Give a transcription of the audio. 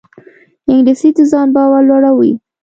انګلیسي د ځان باور لوړوي